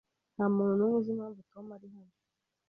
Ntamuntu numwe uzi impamvu Tom atari hano.